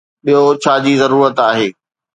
ٻيو ڇا جي ضرورت آهي؟